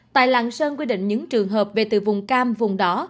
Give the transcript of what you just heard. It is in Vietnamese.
tại lạng sơn quy định những trường hợp về từ vùng cam vùng đó